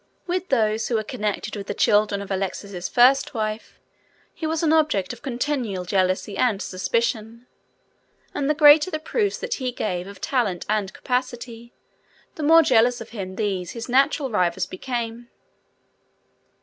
With those who were connected with the children of Alexis' first wife he was an object of continual jealousy and suspicion, and the greater the proofs that he gave of talent and capacity, the more jealous of him these his natural rivals became.